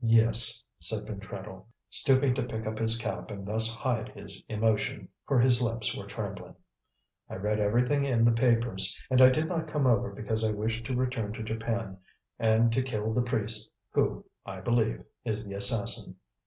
"Yes," said Pentreddle, stooping to pick up his cap and thus hide his emotion, for his lips were trembling. "I read everything in the papers, and I did not come over because I wished to return to Japan and to kill the priest who, I believe, is the assassin."